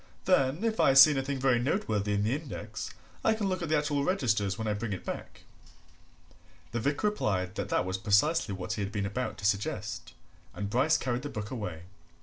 then, if I see anything very noteworthy in the index, I can look at the actual registers when I bring it back." The vicar replied that that was precisely what he had been about to suggest, and Bryce carried the book away.